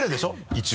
一応。